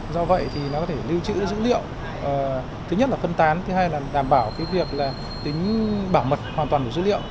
do vậy thì nó có thể lưu trữ dữ liệu thứ nhất là phân tán thứ hai là đảm bảo cái việc là tính bảo mật hoàn toàn của dữ liệu